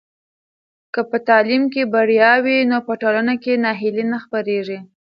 که په تعلیم کې بریا وي نو په ټولنه کې ناهیلي نه خپرېږي.